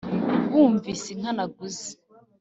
bumvise inka naguze